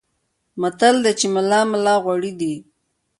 متل دی چې ملا ملا غوړي دي.